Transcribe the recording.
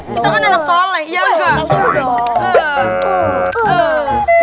kita kan anak soleh iya gak